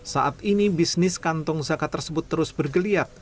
saat ini bisnis kantong zakat tersebut terus bergeliat